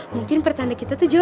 mungkin pertanda kita tuh jodoh